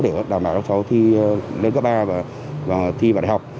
để đảm bảo các cháu thi lên cấp ba và thi vào đại học